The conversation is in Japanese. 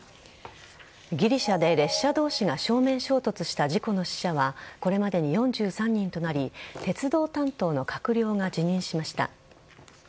ギリシャで列車同士が正面衝突した事故の死者はこれまでに４３人となり鉄道担当の閣僚が辞任しました。